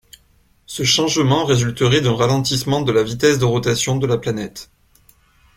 Ce changement résulterait d'un ralentissement de la vitesse de rotation de la planète.